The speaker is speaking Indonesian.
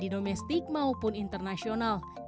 di domestik maupun internasional